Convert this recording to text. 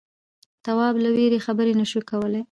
تواب له وېرې خبرې نه شوې کولای.